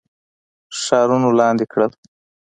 ښارونه لاندي کړل.